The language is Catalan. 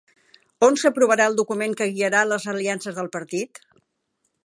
On s'aprovarà el document que guiarà les aliances del partit?